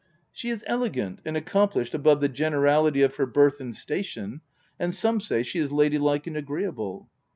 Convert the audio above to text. " She is elegant and accomplished above the generality of her birth and station ; and some say she is lady like and agreeable."